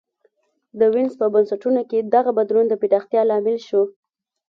د وینز په بنسټونو کې دغه بدلون د پراختیا لامل شو